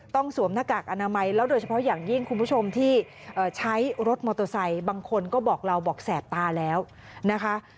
สวมหน้ากากอนามัยแล้วโดยเฉพาะอย่างยิ่งคุณผู้ชมที่ใช้รถมอเตอร์ไซค์บางคนก็บอกเราบอกแสบตาแล้วนะคะ